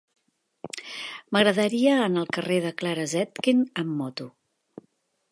M'agradaria anar al carrer de Clara Zetkin amb moto.